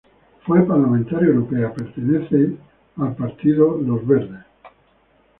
Fue parlamentaria europea, pertenece al partido Movimiento Demócrata Cristiano.